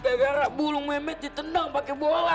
gara gara bulu memet ditendang pake bola